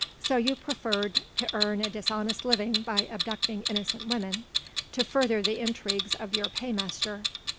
"So you preferred to earn a dishonest living by abducting innocent women, to further the intrigues of your paymaster."